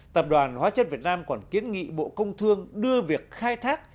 tập đoàn hóa chất việt nam còn kiến nghị bộ công thương đưa việc khai thác